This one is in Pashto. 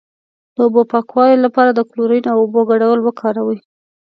د اوبو د پاکوالي لپاره د کلورین او اوبو ګډول وکاروئ